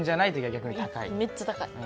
めっちゃ高い。